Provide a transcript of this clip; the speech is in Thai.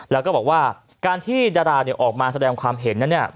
แล้วก็บอกว่าการที่ดาราออกมาแสดงความเห็นนั้นเนี่ย